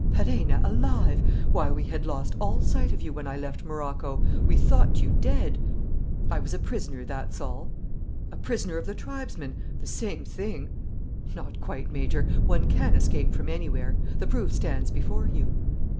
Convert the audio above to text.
"Perenna alive! Why, we had lost all sight of you when I left Morocco! We thought you dead." "I was a prisoner, that's all." "A prisoner of the tribesmen; the same thing!" "Not quite, Major; one can escape from anywhere. The proof stands before you."